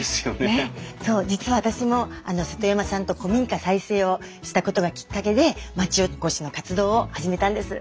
そう実は私も瀬戸山さんと古民家再生をしたことがきっかけで町おこしの活動を始めたんです。